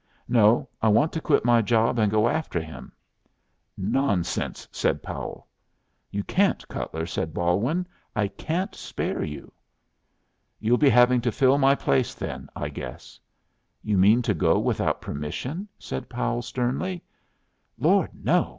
"No. I want to quit my job and go after him." "Nonsense!" said Powell. "You can't, Cutler," said Balwin. "I can't spare you." "You'll be having to fill my place, then, I guess." "You mean to go without permission?" said Powell, sternly. "Lord, no!